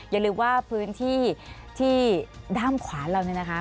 อย่าลืมว่าพื้นที่ที่ด้ามขวาเราเนี่ยนะคะ